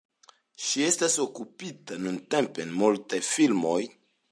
Ŝi estas okupita nuntempe en multaj filmoj.